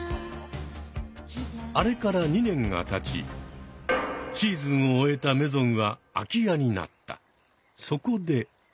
あれから２年がたちシーズンを終えたメゾンはそこで！